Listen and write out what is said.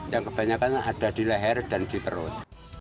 yang kebanyakan ada di leher dan di perut